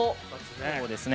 そうですね。